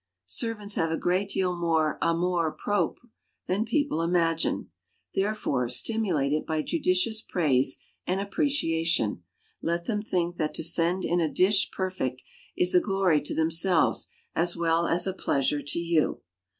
Servants have a great deal more amour propre than people imagine; therefore, stimulate it by judicious praise and appreciation; let them think that to send in a dish perfect, is a glory to themselves as well as a pleasure to you.